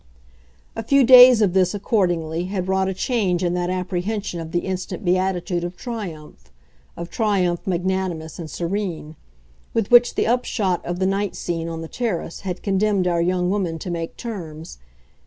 A few days of this, accordingly, had wrought a change in that apprehension of the instant beatitude of triumph of triumph magnanimous and serene with which the upshot of the night scene on the terrace had condemned our young woman to make terms.